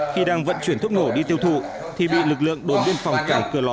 khi đang vận chuyển thuốc nổ đi tiêu thụ thì bị lực lượng đồn biên phòng cảng cửa lò